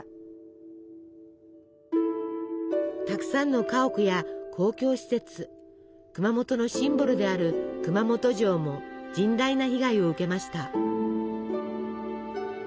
たくさんの家屋や公共施設熊本のシンボルである熊本城も甚大な被害を受けました。